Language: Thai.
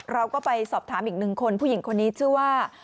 เราก็ไปสอบถามอีกหนึ่งคนผู้หญิงคนนี้ชื่อว่า